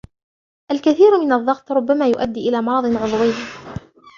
الكثير من الضغط ربما يؤدي إلى مرض عضوي.